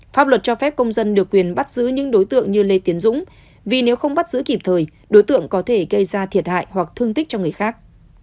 pháp luật cho phép công dân được quyền bắt giữ những đối tượng như lê tiến dũng vì nếu không bắt giữ kịp thời đối tượng có thể gây ra thiệt hại hoặc thương tích cho người khác